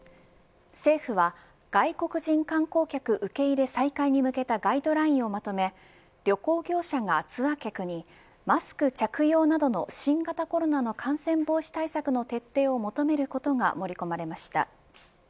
政府は外国人観光客受け入れの再開に向けたガイドラインをまとめ旅行業者がツアー客にマスク着用などの新型コロナの感染防止対策の徹底を求めることが盛り込まれました。